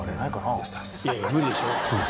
いやいや無理でしょ。